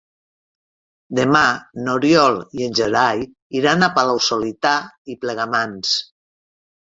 Demà n'Oriol i en Gerai iran a Palau-solità i Plegamans.